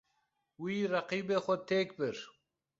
Wî, reqîbê xwe têk bir.